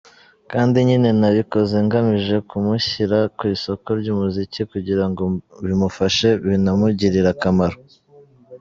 Kandi nyine nabikoze ngamije kumushyira ku isoko ry’umuziki kugira ngo bimufashe binamugirire akamaro.